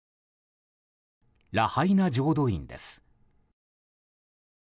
ラハイナ浄土院です。